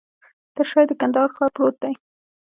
تر شاه یې د کندهار ښار پروت دی.